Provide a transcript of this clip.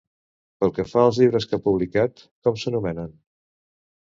Pel que fa als llibres que ha publicat, com s'anomenen?